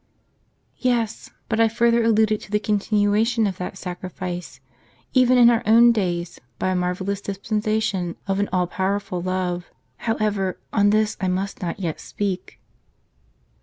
" "Yes; but I further alluded to the continuation of that sacrifice, even in our own days, by a marvellous dispensation of an all powerful love. However, on this I must not yet speak."